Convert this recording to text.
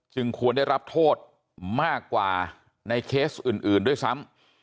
ควรได้รับโทษมากกว่าในเคสอื่นด้วยซ้ำ